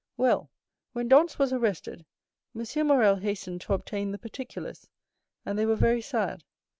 "Well, when Dantès was arrested, Monsieur Morrel hastened to obtain the particulars, and they were very sad.